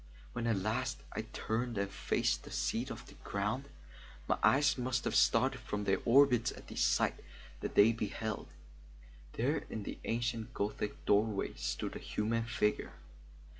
When at last I turned and faced the seat of the sound, my eyes must have started from their orbits at the sight that they beheld. There in the ancient Gothic doorway stood a human figure.